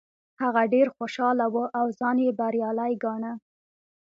هغه ډیر خوشحاله و او ځان یې بریالی ګاڼه.